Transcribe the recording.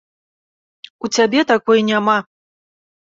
У цябе такой няма.